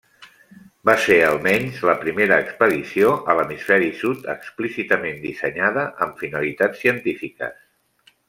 Va ser almenys la primera expedició a l'hemisferi sud explícitament dissenyada amb finalitats científiques.